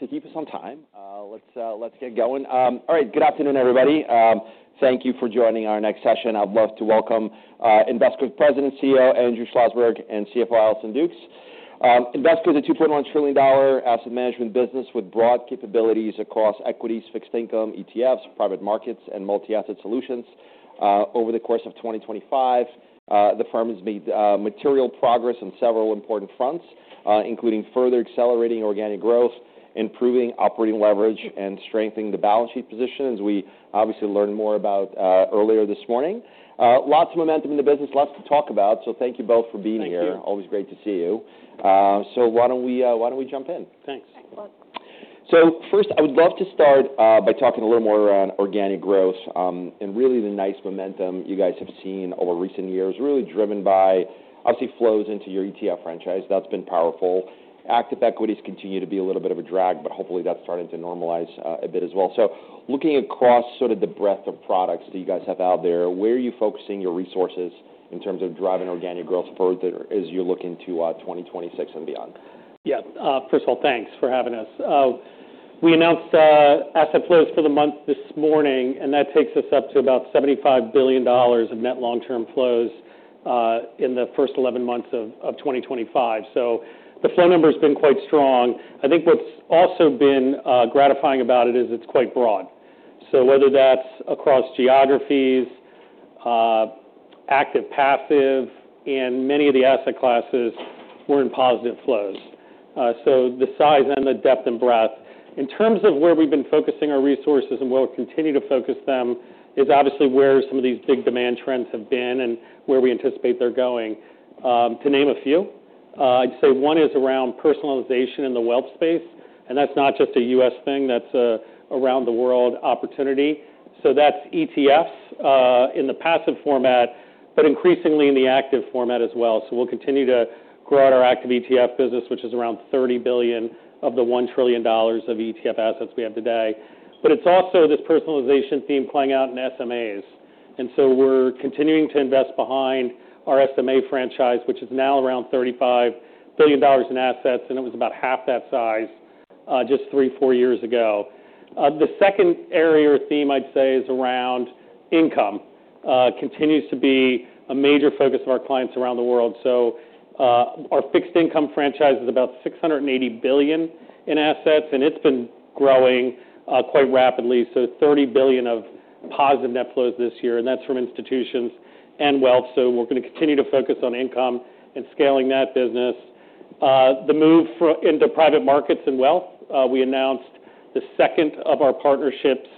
Okay. All right. Well, to keep us on time, let's get going. All right. Good afternoon, everybody. Thank you for joining our next session. I'd love to welcome Invesco's President and CEO, Andrew Schlossberg, and CFO, Allison Dukes. Invesco is a $2.1 trillion asset management business with broad capabilities across equities, fixed income, ETFs, private markets, and multi-asset solutions. Over the course of 2025, the firm has made material progress on several important fronts, including further accelerating organic growth, improving operating leverage, and strengthening the balance sheet position as we obviously learned more about earlier this morning. Lots of momentum in the business, lots to talk about. So thank you both for being here. Thank you. Always great to see you. So why don't we jump in? Thanks. Excellent. So, first, I would love to start by talking a little more on organic growth and really the nice momentum you guys have seen over recent years is really driven by, obviously, flows into your ETF franchise. That's been powerful. Active equities continue to be a little bit of a drag, but hopefully that's starting to normalize a bit as well. So, looking across sort of the breadth of products that you guys have out there, where are you focusing your resources in terms of driving organic growth further as you're looking to 2026 and beyond? Yeah. First of all, thanks for having us. We announced asset flows for the month this morning, and that takes us up to about $75 billion of net long-term flows in the first 11 months of 2025. So the flow number's been quite strong. I think what's also been gratifying about it is it's quite broad. So whether that's across geographies, active, passive, and many of the asset classes, we're in positive flows. So the size and the depth and breadth. In terms of where we've been focusing our resources and where we'll continue to focus them is obviously where some of these big demand trends have been and where we anticipate they're going. To name a few, I'd say one is around personalization in the wealth space, and that's not just a U.S. thing. That's an around-the-world opportunity. So that's ETFs, in the passive format, but increasingly in the active format as well. So we'll continue to grow out our active ETF business, which is around $30 billion of the $1 trillion of ETF assets we have today. But it's also this personalization theme playing out in SMAs. And so we're continuing to invest behind our SMA franchise, which is now around $35 billion in assets, and it was about half that size, just three, four years ago. The second area or theme I'd say is around income, continues to be a major focus of our clients around the world. So, our fixed income franchise is about $680 billion in assets, and it's been growing, quite rapidly. So $30 billion of positive net flows this year, and that's from institutions and wealth. So we're gonna continue to focus on income and scaling that business. The move forward into private markets and wealth, we announced the second of our partnerships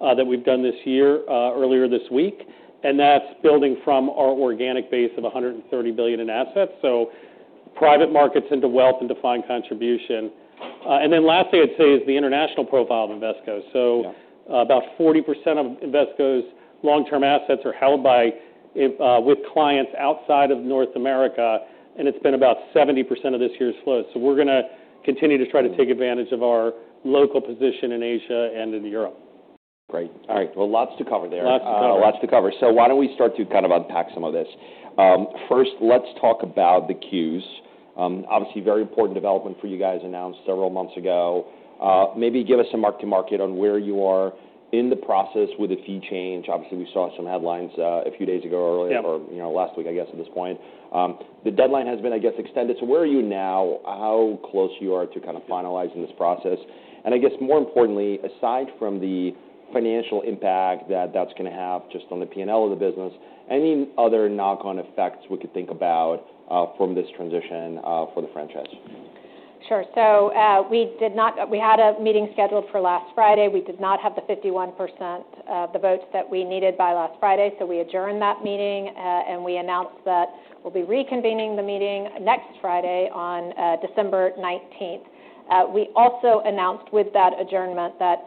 that we've done this year, earlier this week, and that's building from our organic base of $130 billion in assets. So private markets into wealth and defined contribution. And then lastly, I'd say, is the international profile of Invesco. So, about 40% of Invesco's long-term assets are held by, with clients outside of North America, and it's been about 70% of this year's flow. So we're gonna continue to try to take advantage of our local position in Asia and in Europe. Great. All right. Well, lots to cover there. Lots to cover. Lots to cover. So why don't we start to kind of unpack some of this? First, let's talk about the Qs. Obviously, very important development for you guys announced several months ago. Maybe give us a mark-to-market on where you are in the process with the fee change. Obviously, we saw some headlines, a few days ago or earlier. Yeah. Or, you know, last week, I guess, at this point, the deadline has been, I guess, extended. So where are you now? How close you are to kind of finalizing this process? And I guess, more importantly, aside from the financial impact that that's gonna have just on the P&L of the business, any other knock-on effects we could think about, from this transition, for the franchise? Sure. So, we had a meeting scheduled for last Friday. We did not have the 51% of the votes that we needed by last Friday. So we adjourned that meeting, and we announced that we'll be reconvening the meeting next Friday, on December 19th. We also announced with that adjournment that,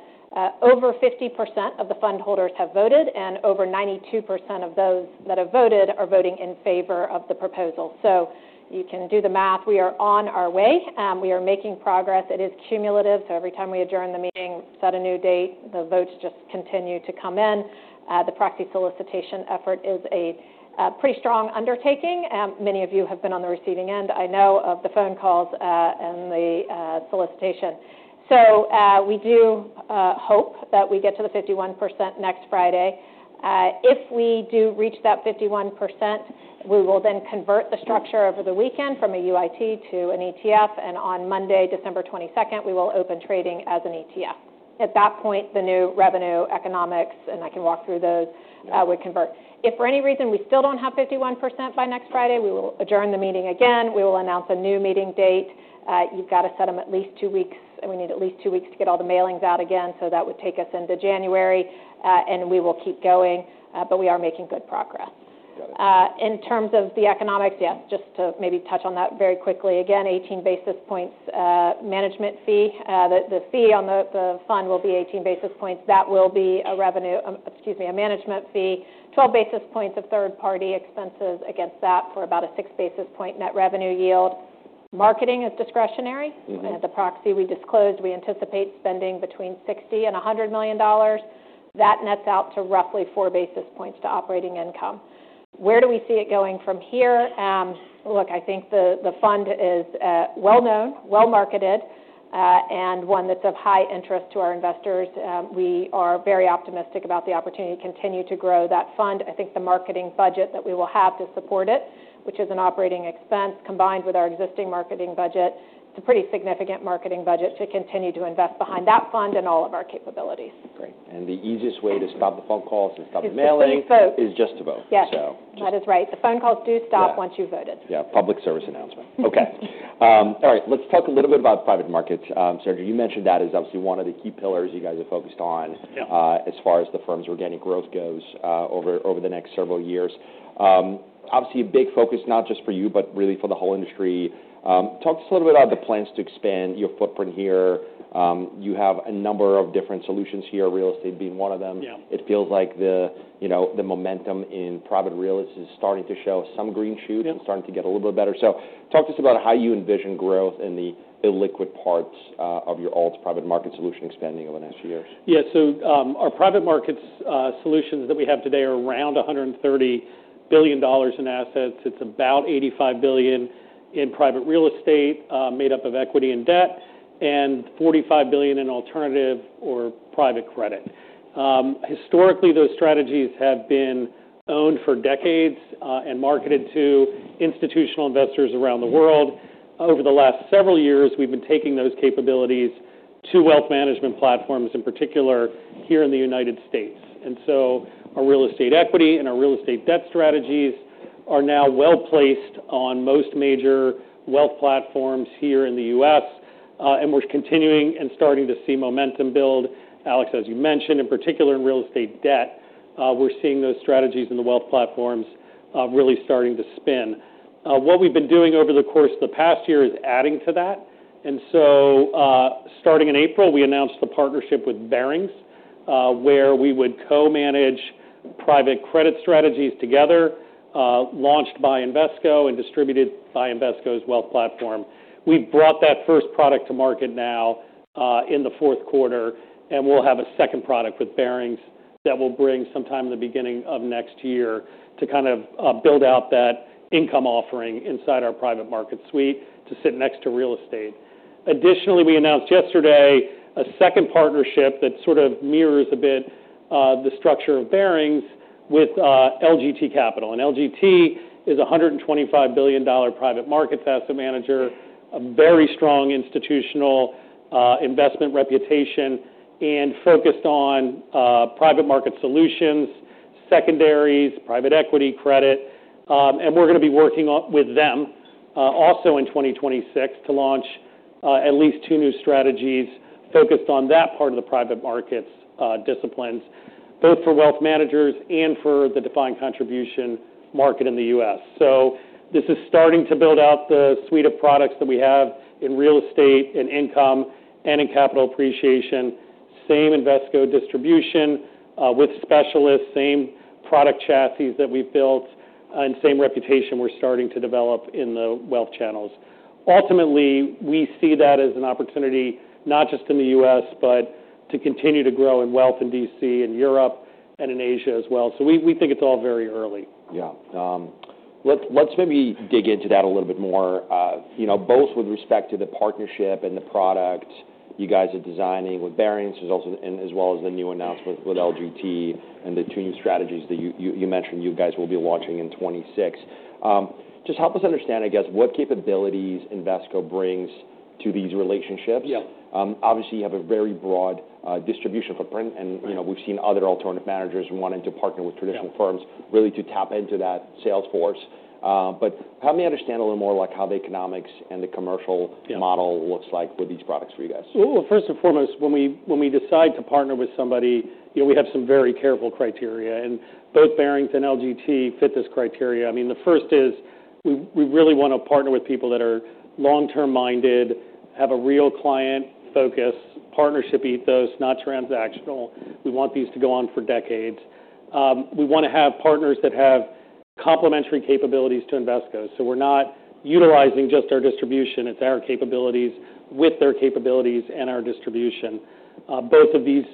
over 50% of the fundholders have voted, and over 92% of those that have voted are voting in favor of the proposal. So you can do the math. We are on our way. We are making progress. It is cumulative. So every time we adjourn the meeting, set a new date, the votes just continue to come in. The proxy solicitation effort is a pretty strong undertaking. Many of you have been on the receiving end, I know, of the phone calls, and the solicitation. We do hope that we get to the 51% next Friday. If we do reach that 51%, we will then convert the structure over the weekend from a UIT to an ETF. On Monday, December 22nd, we will open trading as an ETF. At that point, the new revenue economics, and I can walk through those, would convert. If for any reason we still don't have 51% by next Friday, we will adjourn the meeting again. We will announce a new meeting date. You've got to set them at least two weeks, and we need at least two weeks to get all the mailings out again. So that would take us into January, and we will keep going, but we are making good progress. In terms of the economics, yes, just to maybe touch on that very quickly again, 18 basis points management fee. The fee on the fund will be 18 basis points. That will be a revenue, excuse me, a management fee, 12 basis points of third-party expenses against that for about a 6 basis point net revenue yield. Marketing is discretionary. At the proxy we disclosed, we anticipate spending between $60 million and $100 million. That nets out to roughly four basis points to operating income. Where do we see it going from here? Look, I think the fund is well-known, well-marketed, and one that's of high interest to our investors. We are very optimistic about the opportunity to continue to grow that fund. I think the marketing budget that we will have to support it, which is an operating expense combined with our existing marketing budget, it's a pretty significant marketing budget to continue to invest behind that fund and all of our capabilities. Great. The easiest way to stop the phone calls and stop the mailing. Just to vote. Is just to vote. Yes. That is right. The phone calls do stop once you've voted. Yeah. Public service announcement. Okay. All right. Let's talk a little bit about private markets. Sir, you mentioned that is obviously one of the key pillars you guys have focused on as far as the firm's organic growth goes, over the next several years. Obviously, a big focus, not just for you, but really for the whole industry. Talk to us a little bit about the plans to expand your footprint here. You have a number of different solutions here, real estate being one of them. It feels like, you know, the momentum in private real estate is starting to show some green shoots. Starting to get a little bit better. Talk to us about how you envision growth in the illiquid parts of your old private market solution expanding over the next few years. Yeah. So, our private markets solutions that we have today are around $130 billion in assets. It's about $85 billion in private real estate, made up of equity and debt, and $45 billion in alternative or private credit. Historically, those strategies have been owned for decades, and marketed to institutional investors around the world. Over the last several years, we've been taking those capabilities to wealth management platforms, in particular here in the United States. And so our real estate equity and our real estate debt strategies are now well-placed on most major wealth platforms here in the US, and we're continuing and starting to see momentum build. Alex, as you mentioned, in particular in real estate debt, we're seeing those strategies in the wealth platforms, really starting to spin. What we've been doing over the course of the past year is adding to that. Starting in April, we announced a partnership with Barings, where we would co-manage private credit strategies together, launched by Invesco and distributed by Invesco's wealth platform. We've brought that first product to market now, in the fourth quarter, and we'll have a second product with Barings that we'll bring sometime in the beginning of next year to kind of build out that income offering inside our private market suite to sit next to real estate. Additionally, we announced yesterday a second partnership that sort of mirrors a bit the structure of Barings with LGT Capital. LGT is a $125 billion private markets asset manager, a very strong institutional investment reputation, and focused on private market solutions, secondaries, private equity credit. And we're gonna be working with them, also in 2026 to launch at least two new strategies focused on that part of the private markets disciplines, both for wealth managers and for the defined contribution market in the U.S. So this is starting to build out the suite of products that we have in real estate, in income and in capital appreciation, same Invesco distribution, with specialists, same product chassis that we've built, and same reputation we're starting to develop in the wealth channels. Ultimately, we see that as an opportunity not just in the U.S., but to continue to grow in wealth in DC and Europe and in Asia as well. So we think it's all very early. Yeah. Let's maybe dig into that a little bit more. You know, both with respect to the partnership and the product you guys are designing with Barings, there's also and as well as the new announcement with LGT and the two new strategies that you mentioned you guys will be launching in 2026. Just help us understand, I guess, what capabilities Invesco brings to these relationships. Yeah. Obviously, you have a very broad distribution footprint, and you know, we've seen other alternative managers wanting to partner with traditional firms. Really to tap into that sales force. But help me understand a little more, like, how the economics and the commercial model looks like with these products for you guys. First and foremost, when we decide to partner with somebody, you know, we have some very careful criteria, and both Barings and LGT fit this criteria. I mean, the first is we really wanna partner with people that are long-term minded, have a real client focus, partnership ethos, not transactional. We want these to go on for decades. We wanna have partners that have complementary capabilities to Invesco, so we're not utilizing just our distribution. It's our capabilities with their capabilities and our distribution. Both of these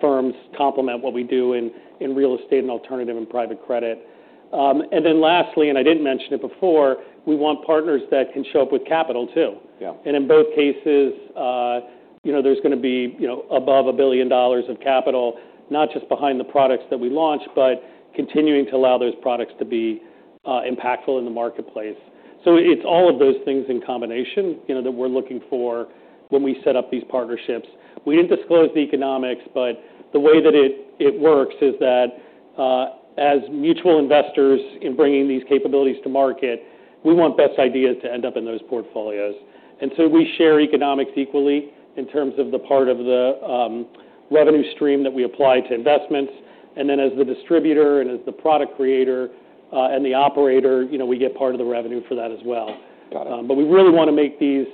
firms complement what we do in real estate and alternative and private credit, and then lastly, and I didn't mention it before, we want partners that can show up with capital too. And in both cases, you know, there's gonna be, you know, above $1 billion of capital, not just behind the products that we launch, but continuing to allow those products to be, impactful in the marketplace. So it's all of those things in combination, you know, that we're looking for when we set up these partnerships. We didn't disclose the economics, but the way that it works is that, as mutual investors in bringing these capabilities to market, we want best ideas to end up in those portfolios. And so we share economics equally in terms of the part of the, revenue stream that we apply to investments. And then as the distributor and as the product creator, and the operator, you know, we get part of the revenue for that as well but we really wanna make these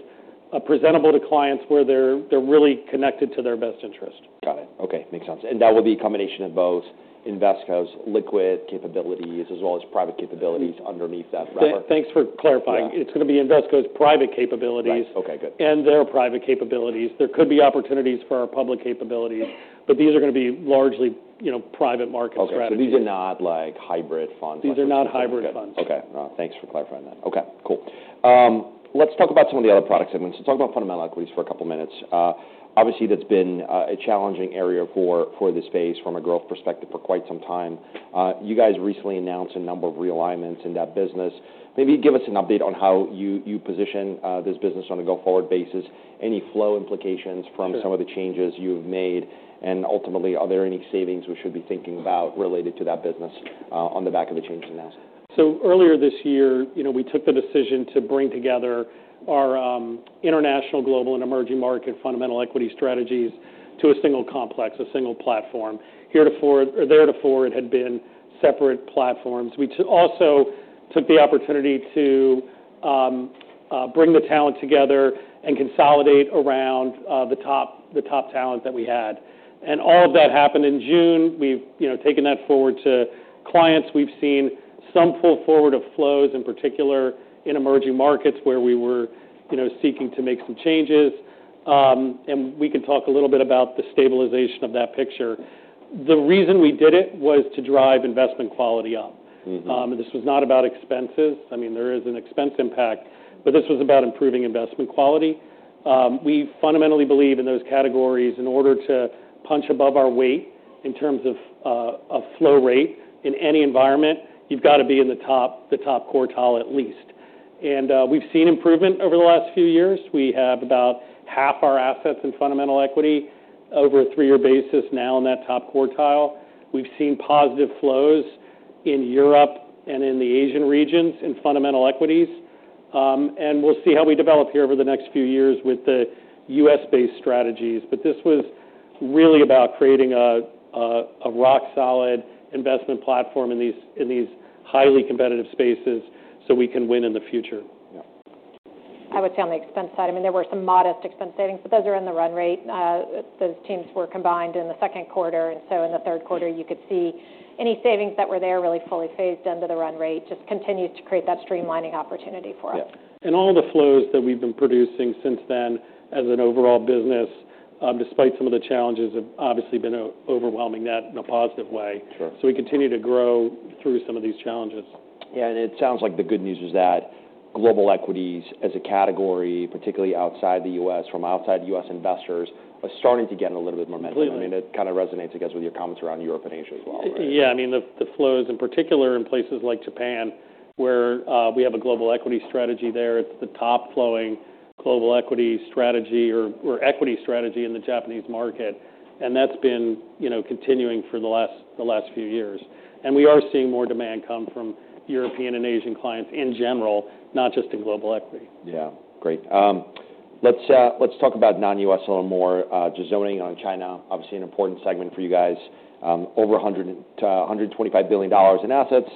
presentable to clients where they're really connected to their best interest. Got it. Okay. Makes sense, and that will be a combination of both Invesco's liquid capabilities as well as private capabilities underneath that. Thanks for clarifying. It's gonna be Invesco's private capabilities. There could be opportunities for our public capabilities, but these are gonna be largely, you know, private market strategies. Okay. So these are not, like, hybrid funds? These are not hybrid funds. Okay. Thanks for clarifying that. Okay. Cool. Let's talk about some of the other products segments. So talk about fundamental equities for a couple of minutes. Obviously, that's been a challenging area for the space from a growth perspective for quite some time. You guys recently announced a number of realignments in that business. Maybe give us an update on how you position this business on a go-forward basis. Any flow implications from some of the changes you've made? And ultimately, are there any savings we should be thinking about related to that business, on the back of the changes announced? So earlier this year, you know, we took the decision to bring together our international, global, and emerging market fundamental equity strategies to a single complex, a single platform. Heretofore or thereafter had been separate platforms. We also took the opportunity to bring the talent together and consolidate around the top talent that we had. And all of that happened in June. We've, you know, taken that forward to clients. We've seen some pull forward of flows, in particular in emerging markets where we were, you know, seeking to make some changes, and we can talk a little bit about the stabilization of that picture. The reason we did it was to drive investment quality up. And this was not about expenses. I mean, there is an expense impact, but this was about improving investment quality. We fundamentally believe in those categories in order to punch above our weight in terms of a flow rate in any environment. You've got to be in the top quartile at least. And we've seen improvement over the last few years. We have about half our assets in fundamental equity over a three-year basis now in that top quartile. We've seen positive flows in Europe and in the Asian regions in fundamental equities. And we'll see how we develop here over the next few years with the U.S.-based strategies. But this was really about creating a rock-solid investment platform in these highly competitive spaces so we can win in the future. I would say on the expense side, I mean, there were some modest expense savings, but those are in the run rate. Those teams were combined in the second quarter, and so in the third quarter, you could see any savings that were there really fully phased into the run rate just continues to create that streamlining opportunity for us. And all the flows that we've been producing since then as an overall business, despite some of the challenges, have obviously been overwhelming that in a positive way. We continue to grow through some of these challenges. Yeah. And it sounds like the good news is that global equities as a category, particularly outside the U.S., from outside the U.S. investors, are starting to get a little bit more attention. I mean, it kind of resonates again with your comments around Europe and Asia as well. Yeah. I mean, the flows in particular in places like Japan where we have a global equity strategy there. It's the top flowing global equity strategy or equity strategy in the Japanese market. And that's been, you know, continuing for the last few years. And we are seeing more demand come from European and Asian clients in general, not just in global equity. Yeah. Great. Let's, let's talk about non-U.S. a little more. Just zoning on China, obviously an important segment for you guys. Over $125 billion in assets.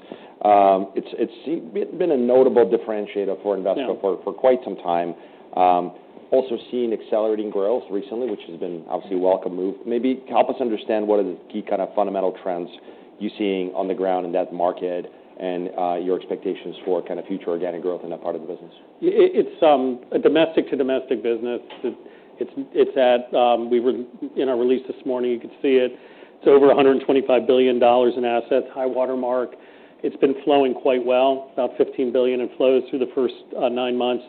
it's been a notable differentiator for Invesco for quite some time. Also seeing accelerating growth recently, which has been obviously a welcome move. Maybe help us understand what are the key kind of fundamental trends you're seeing on the ground in that market and your expectations for kind of future organic growth in that part of the business. It's a domestic-to-domestic business. In our release this morning, you could see it. It's over $125 billion in assets, high watermark. It's been flowing quite well, about $15 billion in flows through the first nine months,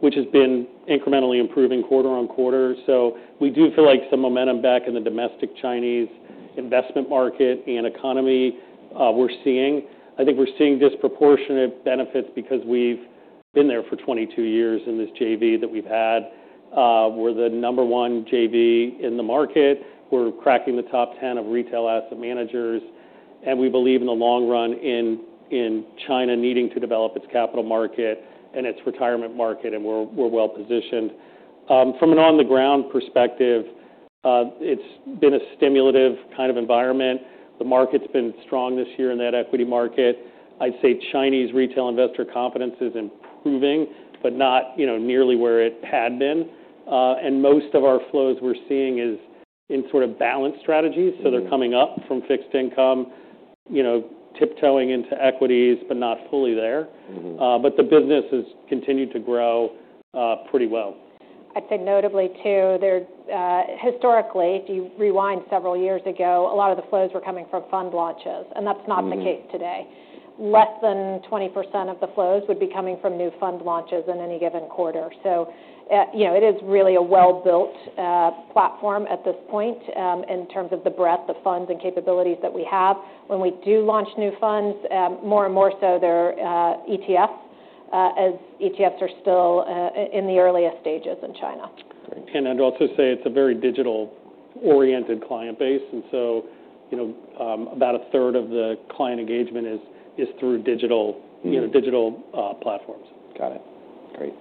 which has been incrementally improving quarter-on-quarter, so we do feel like some momentum back in the domestic Chinese investment market and economy we're seeing. I think we're seeing disproportionate benefits because we've been there for 22 years in this JV that we've had. We're the number one JV in the market. We're cracking the top 10 of retail asset managers, and we believe in the long run in China needing to develop its capital market and its retirement market, and we're well-positioned. From an on-the-ground perspective, it's been a stimulative kind of environment. The market's been strong this year in that equity market. I'd say Chinese retail investor confidence is improving, but not, you know, nearly where it had been, and most of our flows we're seeing is in sort of balanced strategies, so they're coming up from fixed income, you know, tiptoeing into equities, but not fully there but the business has continued to grow, pretty well. I'd say notably too, there, historically, if you rewind several years ago, a lot of the flows were coming from fund launches, and that's not the case today. Less than 20% of the flows would be coming from new fund launches in any given quarter. So, you know, it is really a well-built platform at this point, in terms of the breadth of funds and capabilities that we have. When we do launch new funds, more and more so they're ETFs, as ETFs are still in the earliest stages in China. And I'd also say it's a very digital-oriented client base. And so, you know, about a third of the client engagement is through digital, you know, digital platforms. Got it. Great.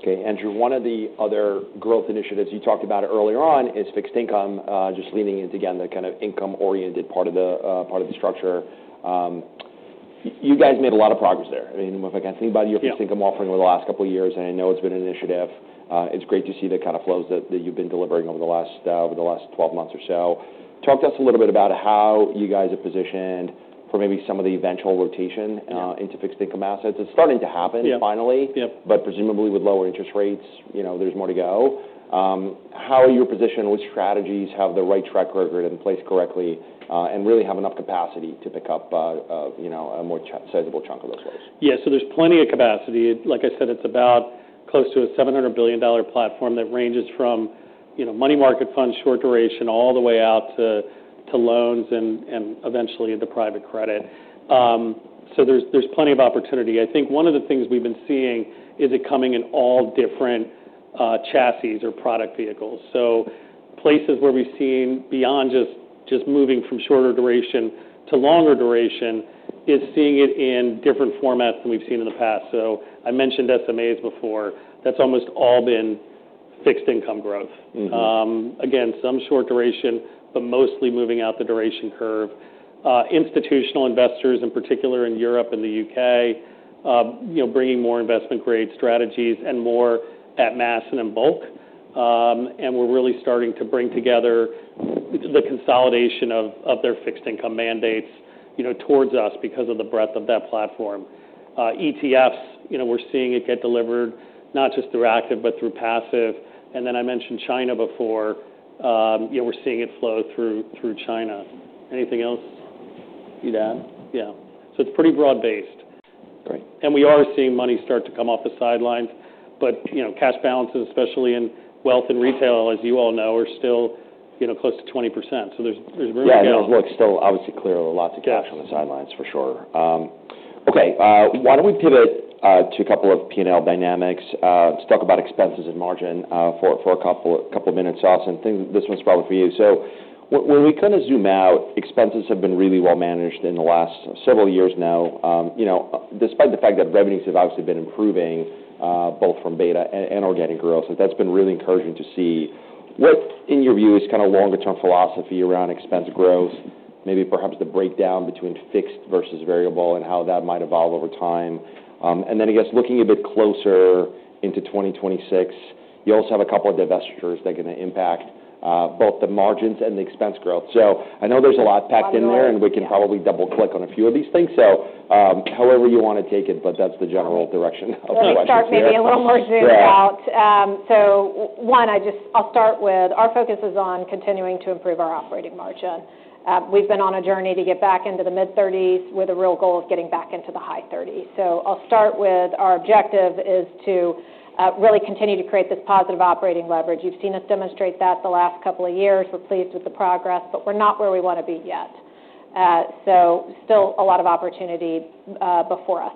Okay. Andrew, one of the other growth initiatives you talked about earlier on is fixed income, just leaning into, again, the kind of income-oriented part of the structure. You guys made a lot of progress there. I mean, if I can think about your fixed income offering over the last couple of years, and I know it's been an initiative, it's great to see the kind of flows that you've been delivering over the last 12 months or so. Talk to us a little bit about how you guys are positioned for maybe some of the eventual rotation into fixed income assets. It's starting to happen finally. But presumably with lower interest rates, you know, there's more to go. How are you positioned? Which strategies have the right track record in place correctly, and really have enough capacity to pick up, you know, a more sizable chunk of those flows? Yeah. So there's plenty of capacity. Like I said, it's about close to a $700 billion platform that ranges from, you know, money market funds, short duration, all the way out to loans and eventually into private credit. So there's plenty of opportunity. I think one of the things we've been seeing is it coming in all different chassis or product vehicles. So places where we've seen beyond just moving from shorter duration to longer duration is seeing it in different formats than we've seen in the past. So I mentioned SMAs before. That's almost all been fixed income growth. Again, some short duration, but mostly moving out the duration curve. Institutional investors in particular in Europe and the UK, you know, bringing more investment-grade strategies and more at mass and in bulk, and we're really starting to bring together the consolidation of their fixed income mandates, you know, towards us because of the breadth of that platform. ETFs, you know, we're seeing it get delivered not just through active, but through passive, and then I mentioned China before. You know, we're seeing it flow through China. Anything else you'd add? Yeah, so it's pretty broad-based. We are seeing money start to come off the sidelines, but you know, cash balances, especially in wealth and retail, as you all know, are still you know, close to 20%. So there's room to grow there. Yeah. And there's still obviously a lot of cash on the sidelines for sure. Okay. Why don't we pivot to a couple of P&L dynamics to talk about expenses and margin for a couple of minutes. Allison, I think this one's probably for you. So when we kind of zoom out, expenses have been really well-managed in the last several years now. You know, despite the fact that revenues have obviously been improving, both from beta and organic growth, that's been really encouraging to see. What, in your view, is kind of longer-term philosophy around expense growth, maybe perhaps the breakdown between fixed versus variable and how that might evolve over time? And then I guess looking a bit closer into 2026, you also have a couple of divestitures that are gonna impact both the margins and the expense growth. I know there's a lot packed in there, and we can probably double-click on a few of these things. However you wanna take it, but that's the general direction of the question. Let's talk maybe a little more zoomed out. So, one, I just I'll start with our focus is on continuing to improve our operating margin. We've been on a journey to get back into the mid-30s with a real goal of getting back into the high 30s. So I'll start with our objective is to really continue to create this positive operating leverage. You've seen us demonstrate that the last couple of years. We're pleased with the progress, but we're not where we wanna be yet. So still a lot of opportunity before us.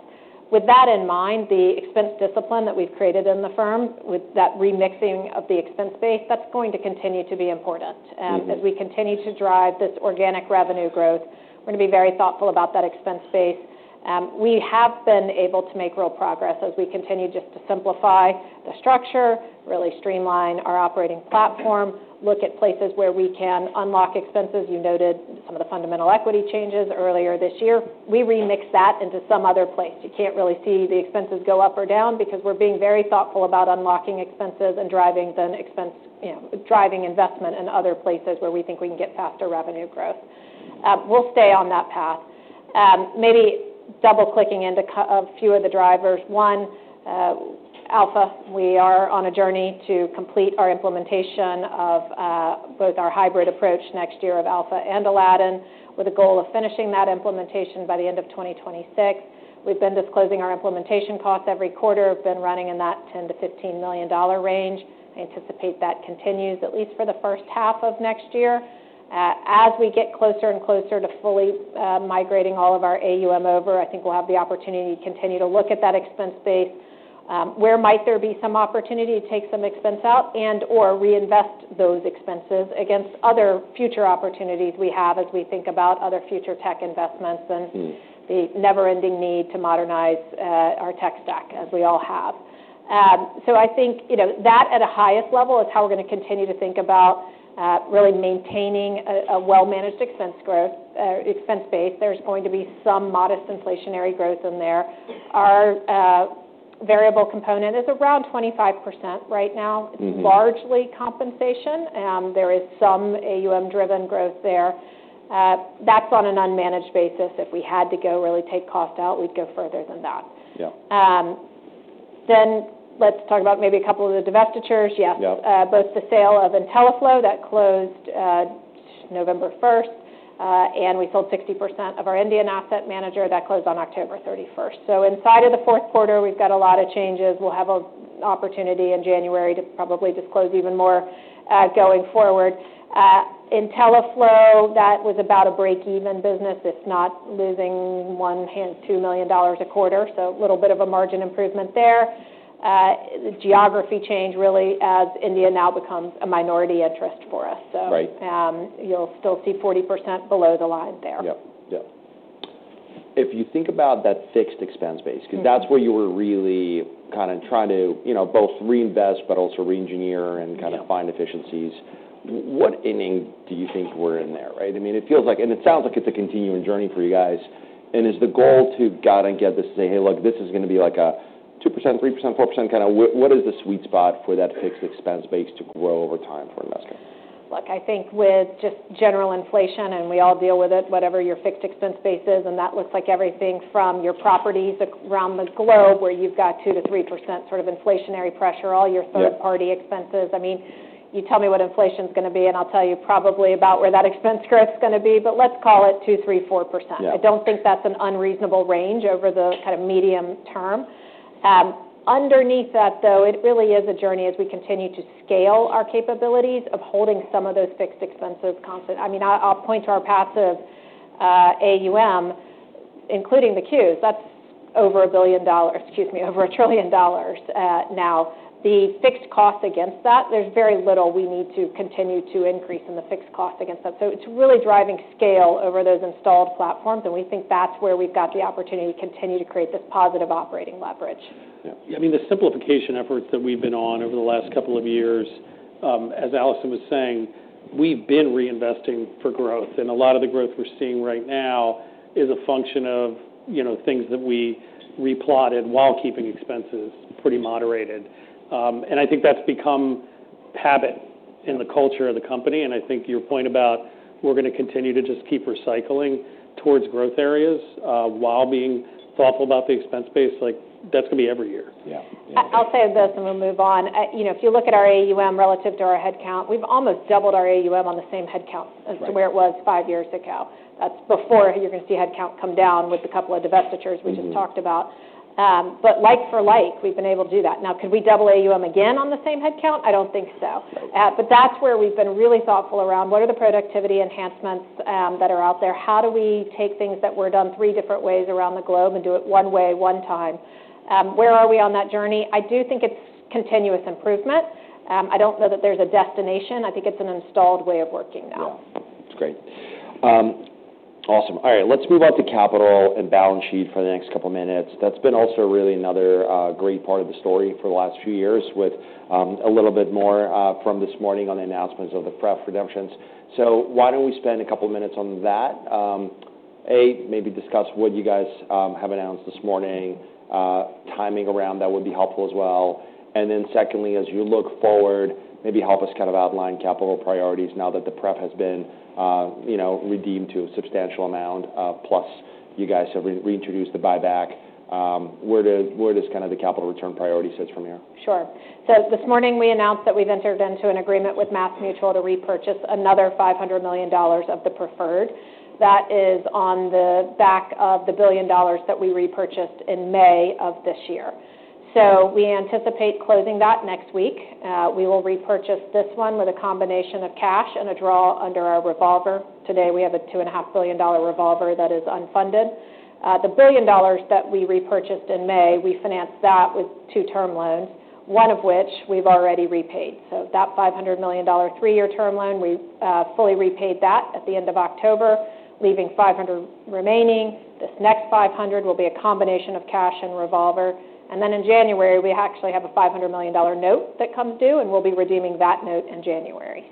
With that in mind, the expense discipline that we've created in the firm with that remixing of the expense base, that's going to continue to be important. As we continue to drive this organic revenue growth, we're gonna be very thoughtful about that expense base. We have been able to make real progress as we continue just to simplify the structure, really streamline our operating platform, look at places where we can unlock expenses. You noted some of the fundamental equity changes earlier this year. We remix that into some other place. You can't really see the expenses go up or down because we're being very thoughtful about unlocking expenses and driving investment in other places where we think we can get faster revenue growth. We'll stay on that path. Maybe double-clicking into a few of the drivers. One, Alpha, we are on a journey to complete our implementation of, both our hybrid approach next year of Alpha and Aladdin with a goal of finishing that implementation by the end of 2026. We've been disclosing our implementation costs every quarter. We've been running in that $10 million-$15 million range. I anticipate that continues at least for the first half of next year. As we get closer and closer to fully migrating all of our AUM over, I think we'll have the opportunity to continue to look at that expense base. Where might there be some opportunity to take some expense out and/or reinvest those expenses against other future opportunities we have as we think about other future tech investments and the never-ending need to modernize our tech stack as we all have, so I think, you know, that at a highest level is how we're gonna continue to think about really maintaining a well-managed expense growth, expense base. There's going to be some modest inflationary growth in there. Our variable component is around 25% right now. It's largely compensation. There is some AUM-driven growth there. That's on an unmanaged basis. If we had to go really take cost out, we'd go further than that. Then let's talk about maybe a couple of the divestitures. Yes, both the sale of intelliflo that closed November 1st, and we sold 60% of our Indian asset manager that closed on October 31st. So inside of the fourth quarter, we've got a lot of changes. We'll have an opportunity in January to probably disclose even more, going forward. intelliflo, that was about a break-even business, if not losing $1 million-$2 million a quarter. So a little bit of a margin improvement there. The geography change really as India now becomes a minority interest for us. So. You'll still see 40% below the line there. Yep. Yep. If you think about that fixed expense base, because that's where you were really kinda trying to, you know, both reinvest but also re-engineer and kinda finding efficiencies, what inning do you think we're in there, right? I mean, it feels like and it sounds like it's a continuing journey for you guys, and is the goal to get this to say, hey, look, this is gonna be like a 2%, 3%, 4% kinda? What is the sweet spot for that fixed expense base to grow over time for Invesco? Look, I think with just general inflation, and we all deal with it, whatever your fixed expense base is, and that looks like everything from your properties around the globe where you've got 2%-3% sort of inflationary pressure, all your third-party expenses. I mean, you tell me what inflation's gonna be, and I'll tell you probably about where that expense growth's gonna be, but let's call it 2%, 3%, 4%. I don't think that's an unreasonable range over the kind of medium term. Underneath that though, it really is a journey as we continue to scale our capabilities of holding some of those fixed expenses constant. I mean, I'll, I'll point to our passive AUM, including the Qs. That's over $1 billion, excuse me, over $1 trillion, now. The fixed cost against that, there's very little we need to continue to increase in the fixed cost against that. So it's really driving scale over those installed platforms, and we think that's where we've got the opportunity to continue to create this positive operating leverage. Yeah. I mean, the simplification efforts that we've been on over the last couple of years, as Allison was saying, we've been reinvesting for growth, and a lot of the growth we're seeing right now is a function of, you know, things that we replotted while keeping expenses pretty moderated, and I think that's become habit in the culture of the company, and I think your point about we're gonna continue to just keep recycling towards growth areas, while being thoughtful about the expense base, like that's gonna be every year I'll say this, and we'll move on. You know, if you look at our AUM relative to our headcount, we've almost doubled our AUM on the same headcount as to where it was five years ago. That's before you're gonna see headcount come down with a couple of divestitures we just talked about. But like-for-like, we've been able to do that. Now, could we double AUM again on the same headcount? I don't think so. But that's where we've been really thoughtful around what are the productivity enhancements that are out there? How do we take things that were done three different ways around the globe and do it one way, one time? Where are we on that journey? I do think it's continuous improvement. I don't know that there's a destination. I think it's an instilled way of working now. Yeah. That's great. Awesome. All right. Let's move on to capital and balance sheet for the next couple of minutes. That's been also really another great part of the story for the last few years with a little bit more from this morning on the announcements of the preferred redemptions. So why don't we spend a couple of minutes on that? A, maybe discuss what you guys have announced this morning. Timing around that would be helpful as well. And then secondly, as you look forward, maybe help us kind of outline capital priorities now that the preferred has been, you know, redeemed to a substantial amount, plus you guys have reintroduced the buyback. Where does kinda the capital return priority sit from here? Sure. So this morning, we announced that we've entered into an agreement with MassMutual to repurchase another $500 million of the preferred. That is on the back of the $1 billion that we repurchased in May of this year. So we anticipate closing that next week. We will repurchase this one with a combination of cash and a draw under our revolver. Today, we have a $2.5 billion revolver that is unfunded. The $1 billion that we repurchased in May, we financed that with two term loans, one of which we've already repaid. So that $500 million three-year term loan, we fully repaid that at the end of October, leaving $500 million remaining. This next $500 million will be a combination of cash and revolver. And then in January, we actually have a $500 million note that comes due, and we'll be redeeming that note in January.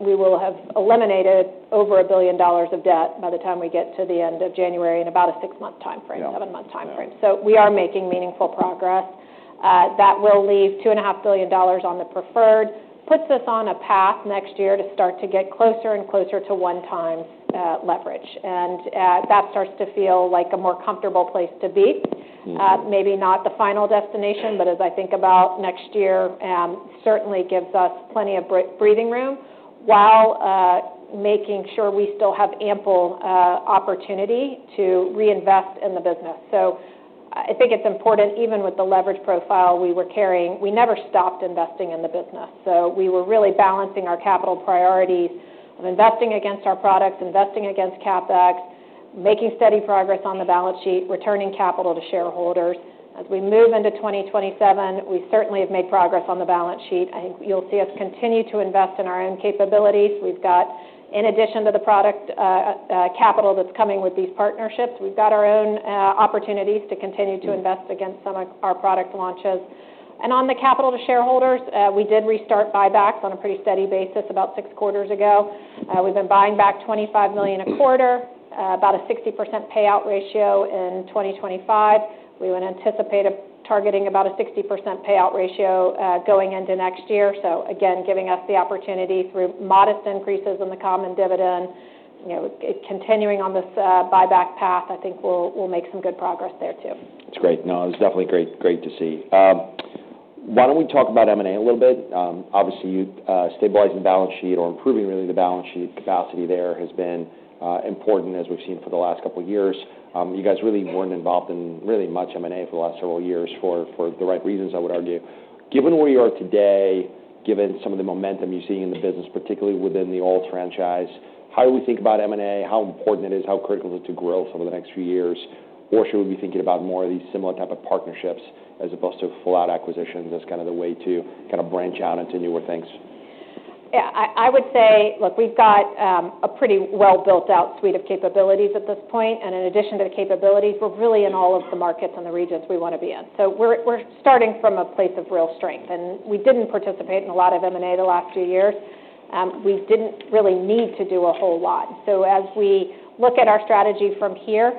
We will have eliminated over $1 billion of debt by the time we get to the end of January in about a six-month timeframe, seven-month timeframe, so we are making meaningful progress. That will leave $2.5 billion on the preferred, puts us on a path next year to start to get closer and closer to one-times leverage. And that starts to feel like a more comfortable place to be. Maybe not the final destination, but as I think about next year, certainly gives us plenty of breathing room while making sure we still have ample opportunity to reinvest in the business. So I think it's important even with the leverage profile we were carrying, we never stopped investing in the business. So we were really balancing our capital priorities of investing against our products, investing against CapEx, making steady progress on the balance sheet, returning capital to shareholders. As we move into 2027, we certainly have made progress on the balance sheet. I think you'll see us continue to invest in our own capabilities. We've got, in addition to the product, capital that's coming with these partnerships, we've got our own opportunities to continue to invest against some of our product launches. And on the capital to shareholders, we did restart buybacks on a pretty steady basis about six quarters ago. We've been buying back $25 million a quarter, about a 60% payout ratio in 2025. We would anticipate targeting about a 60% payout ratio going into next year. So again, giving us the opportunity through modest increases in the common dividend, you know, continuing on this buyback path, I think we'll make some good progress there too. That's great. No, it was definitely great, great to see. Why don't we talk about M&A a little bit? Obviously, you stabilizing the balance sheet or improving really the balance sheet capacity there has been important as we've seen for the last couple of years. You guys really weren't involved in really much M&A for the last several years for, for the right reasons, I would argue. Given where you are today, given some of the momentum you're seeing in the business, particularly within the old franchise, how do we think about M&A? How important it is, how critical is it to grow over the next few years? Or should we be thinking about more of these similar type of partnerships as opposed to full-out acquisitions as kinda the way to kinda branch out into newer things? Yeah. I would say, look, we've got a pretty well-built-out suite of capabilities at this point. And in addition to the capabilities, we're really in all of the markets and the regions we wanna be in. So we're starting from a place of real strength. And we didn't participate in a lot of M&A the last few years. We didn't really need to do a whole lot. So as we look at our strategy from here,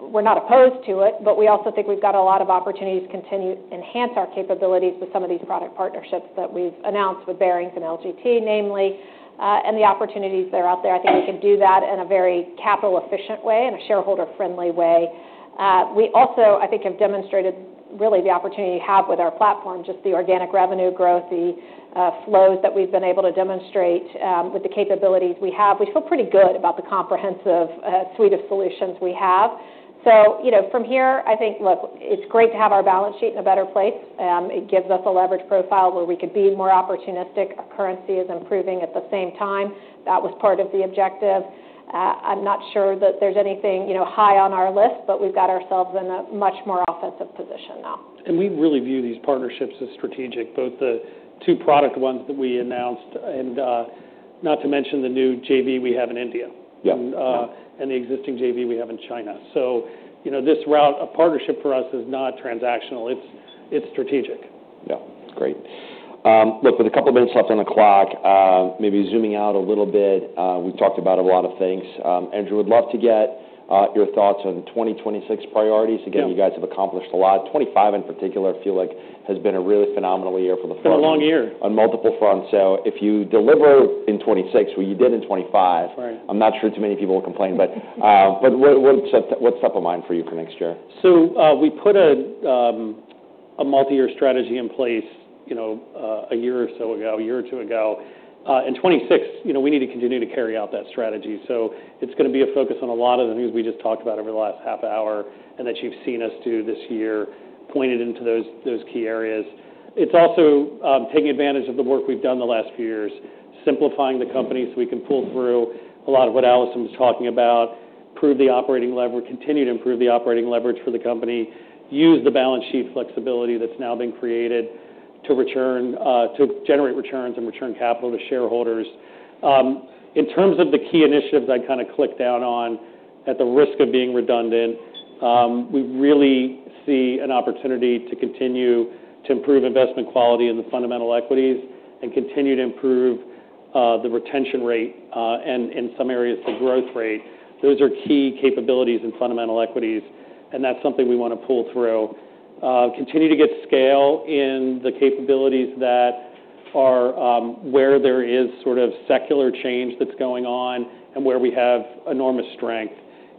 we're not opposed to it, but we also think we've got a lot of opportunities to continue to enhance our capabilities with some of these product partnerships that we've announced with Barings and LGT, namely, and the opportunities that are out there. I think we can do that in a very capital-efficient way, in a shareholder-friendly way. We also, I think, have demonstrated really the opportunity we have with our platform, just the organic revenue growth, the flows that we've been able to demonstrate with the capabilities we have. We feel pretty good about the comprehensive suite of solutions we have. So, you know, from here, I think, look, it's great to have our balance sheet in a better place. It gives us a leverage profile where we could be more opportunistic. Our currency is improving at the same time. That was part of the objective. I'm not sure that there's anything, you know, high on our list, but we've got ourselves in a much more offensive position now. We really view these partnerships as strategic, both the two product ones that we announced and, not to mention, the new JV we have in India. And the existing JV we have in China. So, you know, this route of partnership for us is not transactional. It's strategic. Yeah. That's great. Look, with a couple of minutes left on the clock, maybe zooming out a little bit, we've talked about a lot of things. Andrew, we'd love to get your thoughts on 2026 priorities. Again you guys have accomplished a lot. 2025 in particular, I feel like, has been a really phenomenal year for the firm. It's been a long year. On multiple fronts, so if you deliver in 2026, what you did in 2025. I'm not sure too many people will complain, but what's up, what's top of mind for you for next year? So, we put a multi-year strategy in place, you know, a year or so ago, a year or two ago. In 2026, you know, we need to continue to carry out that strategy. It's gonna be a focus on a lot of the news we just talked about over the last half hour and that you've seen us do this year, pointed into those key areas. It's also taking advantage of the work we've done the last few years, simplifying the company so we can pull through a lot of what Allison was talking about, prove the operating leverage, continue to improve the operating leverage for the company, use the balance sheet flexibility that's now been created to generate returns and return capital to shareholders. In terms of the key initiatives I kinda clicked out on at the risk of being redundant, we really see an opportunity to continue to improve investment quality in the fundamental equities and continue to improve the retention rate, and in some areas, the growth rate. Those are key capabilities in fundamental equities, and that's something we wanna pull through. Continue to get scale in the capabilities that are where there is sort of secular change that's going on and where we have enormous strength: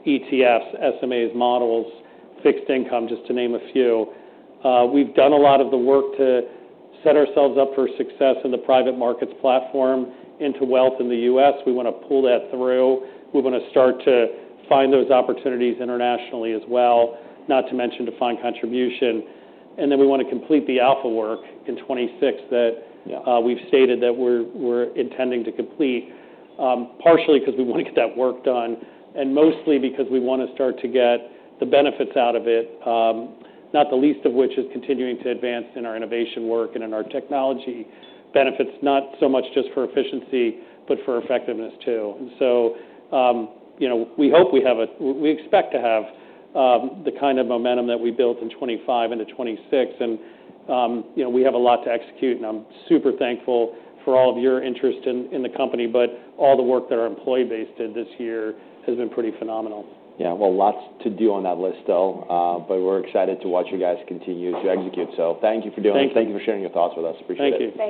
ETFs, SMAs, models, fixed income, just to name a few. We've done a lot of the work to set ourselves up for success in the private markets platform into wealth in the U.S. We wanna pull that through. We wanna start to find those opportunities internationally as well, not to mention defined contribution. And then we wanna complete the Alpha work in 2026 that we've stated that we're intending to complete, partially because we wanna get that work done and mostly because we wanna start to get the benefits out of it, not the least of which is continuing to advance in our innovation work and in our technology benefits, not so much just for efficiency, but for effectiveness too. And so, you know, we hope we expect to have the kind of momentum that we built in 2025 into 2026. And, you know, we have a lot to execute, and I'm super thankful for all of your interest in the company. But all the work that our employee base did this year has been pretty phenomenal. Yeah. Well, lots to do on that list though, but we're excited to watch you guys continue to execute. So thank you for doing it. Thank you. Thank you for sharing your thoughts with us. Appreciate it. Thank you.